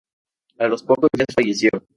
A los pocos días falleció.